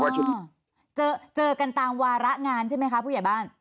เจอเจอกันตามวาระงานใช่ไหมคะผู้ใหญ่บ้าน